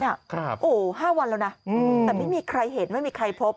โอ้โห๕วันแล้วนะแต่ไม่มีใครเห็นไม่มีใครพบ